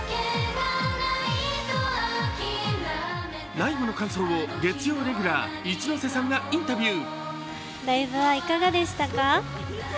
ライブの感想を、月曜レギュラー一ノ瀬さんがインタビュー。